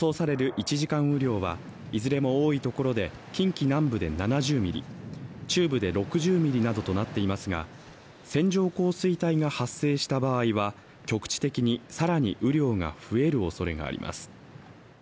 １時間雨量はいずれも多いところで近畿南部で７０ミリ中部で６０ミリなどとなっていますが、線状降水帯が発生した場合は局地的に更に雨量が増えるおそれがあります。